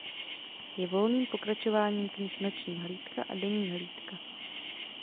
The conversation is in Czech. Je volným pokračováním knih "Noční hlídka" a "Denní hlídka".